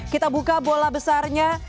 kita buka bola besarnya